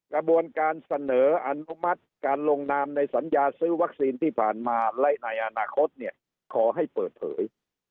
กระบวนการเสนออนุมัติการลงนามในสัญญาซื้อวัคซีนที่ผ่านมาและในอนาคตเนี่ยขอให้เปิดเผย